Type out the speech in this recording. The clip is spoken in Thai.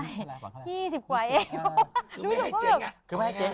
คือไม่ให้เจ๊งอ่ะ